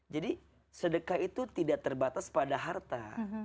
jadi sedekah itu tidak terbatas pada harta